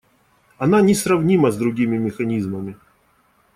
Она несравнима с другими механизмами.